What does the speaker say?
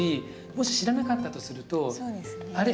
もし知らなかったとするとあれ？